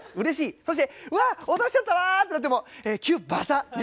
そして「うわ落としちゃったわ」ってなってもキュッバサッね。